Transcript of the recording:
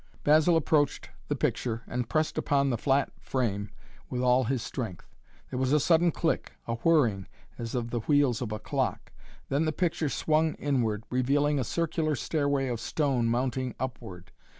Basil approached the picture and pressed upon the flat frame with all his strength. There was a sudden click, a whirring, as of the wheels of a clock. Then the picture swung inward, revealing a circular stairway of stone, mounting upward.